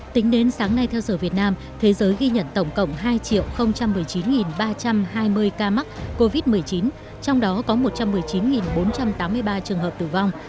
tính đến sáng nay theo sở việt nam thế giới ghi nhận tổng cộng hai một mươi chín ba trăm hai mươi ca mắc covid một mươi chín trong đó có một trăm một mươi chín bốn trăm tám mươi ba trường hợp tử vong